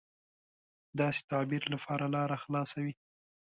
داسې تعبیر لپاره لاره خلاصه وي.